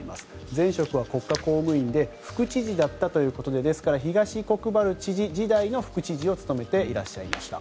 前職は国家公務員で副知事だったということでですから東国原知事時代の副知事を務めていらっしゃいました。